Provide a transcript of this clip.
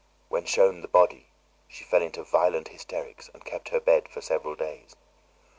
When shown the body, she fell into violent hysterics and kept her bed for several days.